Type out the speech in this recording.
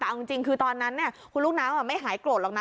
แต่เอาจริงคือตอนนั้นคุณลูกน้ำไม่หายโกรธหรอกนะ